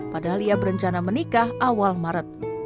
padahal ia berencana menikah awal maret